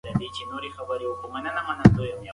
دوی وویل چې سبا به ښار ته ځي.